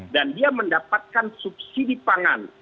dan dia mendapatkan subsidi pangan